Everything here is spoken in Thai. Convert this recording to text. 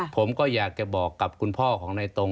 ผมก็อยากจะบอกกับคุณพ่อของในตรง